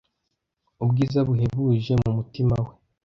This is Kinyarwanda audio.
ubwiza buhebuje mu mutima we